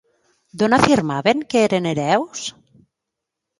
D'on afirmaven que eren hereus?